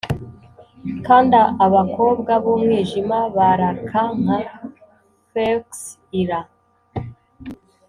kandi abakobwa b'umwijima baraka nka fawkes ira